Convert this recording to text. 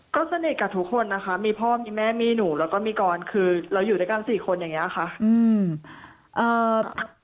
ก็สนิทกับทุกคนนะคะมีพ่อมีแม่มีหนูแล้วก็มีกรคือเราอยู่ด้วยกัน๔คนอย่างนี้ค่ะ